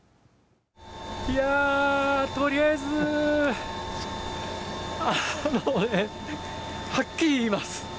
いやー、とりあえずはっきり言います。